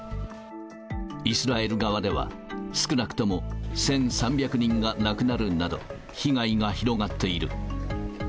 イスラエル側では、少なくとも１３００人が亡くなるなど、被害が広がっている。